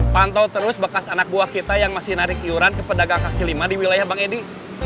pantau terus bekas anak buah kita yang masih menarik yuran kepada gangga kelima di wilayah bang edi